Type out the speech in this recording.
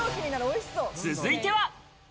続いては。